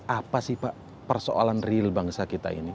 apa sih pak persoalan real bangsa kita ini